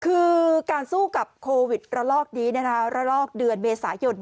คือการสู้กับโควิดระลอกนี้ระลอกเดือนเมษายน